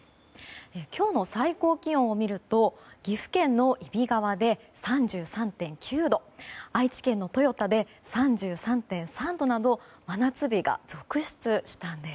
今日の最高気温を見ると岐阜県の揖斐川で３３．９度愛知県の豊田で３３．３度など真夏日が続出したんです。